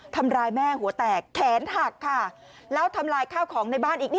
ทำร้ายแม่หัวแตกแขนหักค่ะแล้วทำลายข้าวของในบ้านอีก